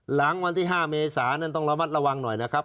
หลังวันที่๕เมษานั้นต้องระมัดระวังหน่อยนะครับ